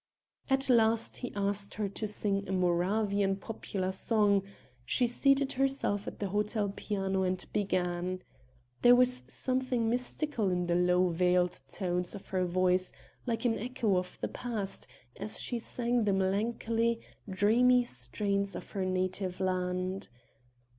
At last he asked her to sing a Moravian popular song; she seated herself at the hotel piano and began. There was something mystical in the low veiled tones of her voice like an echo of the past, as she sang the melancholy, dreamy strains of her native land.